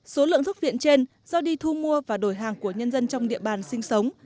số lượng thuốc viện trên do đi thu mua và đổi hàng của nhân dân trong địa bàn sinh sống